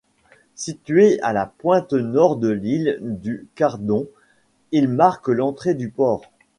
Situé à la pointe nord de l'île du Cardón, il marque l'entrée du port.